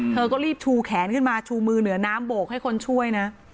เธอก็รีบชูแขนขึ้นมาชูมือเหนือน้ำโบกให้คนช่วยนะ